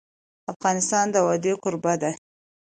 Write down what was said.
افغانستان د وادي کوربه دی.